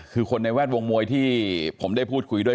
คือคนในแวดวงมวยที่ผมได้พูดคุยด้วย